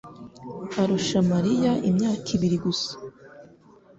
arusha Mariya imyaka ibiri gusa